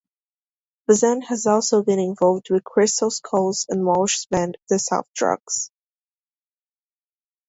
Bazan has also been involved with Crystal Skulls and Walsh's band The Soft Drugs.